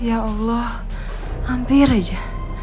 ya allah hampir aja